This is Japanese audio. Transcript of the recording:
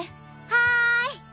はい！